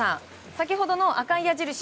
先ほどの赤い矢印